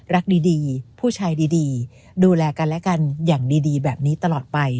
รักดีผู้ชายดีดูแลกันและกันอย่างดีแบบนี้ตลอดไป